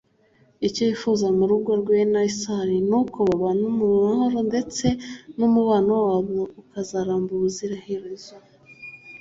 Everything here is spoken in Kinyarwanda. Icyo yifuza mu rugo rwe na Weasel ni uko babana mu mahoro ndetse n’umubano wabo ukazaramba ubuziraherezo